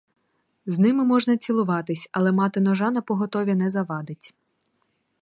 З ними можна цілуватись, але мати ножа напоготові не завадить.